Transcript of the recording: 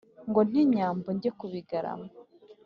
ngo nte nyambo njye ku bigarama,